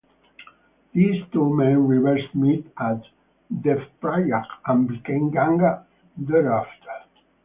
These two main rivers meet at Devprayag and became Ganga thereafter.